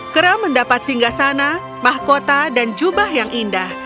kera mendapat singgah sana pahkota dan jubah yang indah